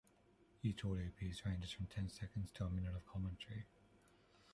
Each audio piece ranges from ten seconds to a minute of commentary.